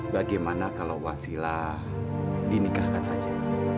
bagaimana kalau wasilah dinikahkan saja